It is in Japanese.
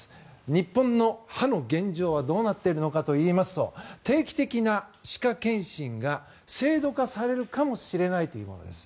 日本の歯の現状はどうなっているのかといいますと定期的な歯科健診が制度化されるかもしれないということです。